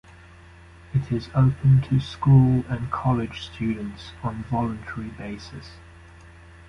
It is open to school and college students on voluntary basis.